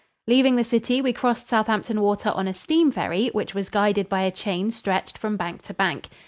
Leaving the city, we crossed Southampton Water on a steam ferry which was guided by a chain stretched from bank to bank.